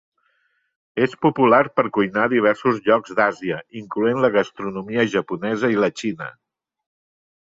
És popular per cuinar a diversos llocs d’Àsia incloent la gastronomia japonesa i la Xina.